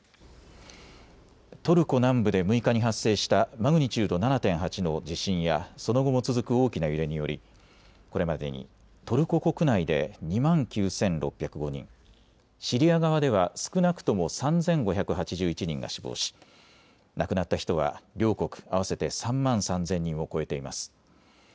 トルコ南部で６日に発生したマグニチュード７．８の地震やその後も続く大きな揺れによりこれまでにトルコ国内で２万９６０５人、シリア側では少なくとも３５８１人が死亡し亡くなった人は両国合わせて３万３０００人を超えています。